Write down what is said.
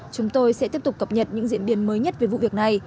chúng tôi sẽ tiếp tục cập nhật những diễn biến mới nhất về vụ việc này